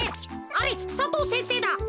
あれ佐藤先生だ。